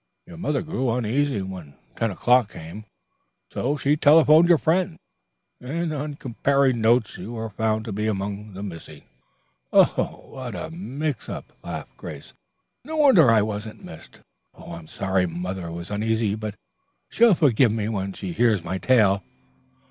Your mother grew uneasy when ten o'clock came, so she telephoned your friends, and on comparing notes you were found to be among the missing." "What a mix up," laughed Grace. "No wonder I wasn't missed. I'm sorry mother was uneasy, but she'll forgive me when she hears my tale.